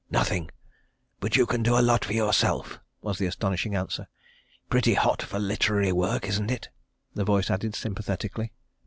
"Nothing, but you can do a lot for yourself," was the astonishing answer. "Pretty hot for literary work, isn't it?" the voice added sympathetically.